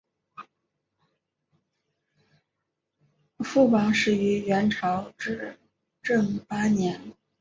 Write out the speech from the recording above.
副榜始于元朝至正八年。